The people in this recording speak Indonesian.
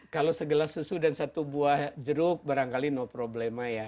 kalau segelas susu dan satu buah jeruk barangkali no problema ya